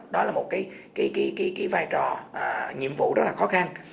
đó là một cái vai trò nhiệm vụ rất là khó khăn